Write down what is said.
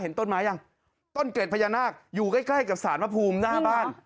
เห็นต้นมาหรือยังต้นเกร็ดพะยานาคอยู่ใกล้กับสารมะพูมหน้าบ้าน